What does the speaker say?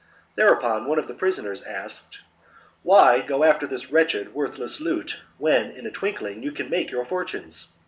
Thereupon one of the prisoners asked, " Why go after this wretched, worthless loot when in a twinkling you can make your fortunes